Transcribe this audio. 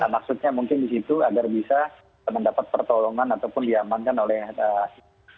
maksudnya mungkin disitu agar bisa mendapat pertolongan ataupun diamankan oleh sos